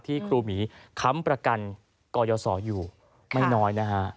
ครูหมีค้ำประกันกยศอยู่ไม่น้อยนะฮะ